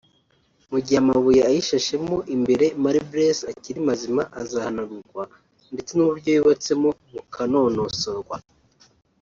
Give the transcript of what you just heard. mu gihe amabuye ayishashemo imbere (marbles) akiri mazima azahanagurwa ndetse n’uburyo yubatsemo bukanonosorwa